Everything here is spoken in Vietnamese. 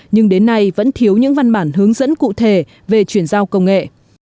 nhưng đến nay vẫn thiếu những văn bản hướng dẫn cụ thể về chuyển giao công nghệ